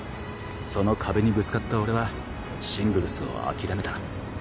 その壁にぶつかった俺はシングルスを諦めた。